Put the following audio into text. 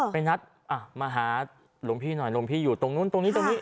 ไปนัดมาหาหลวงพี่หน่อยหลวงพี่อยู่ตรงนู้นตรงนี้ตรงนี้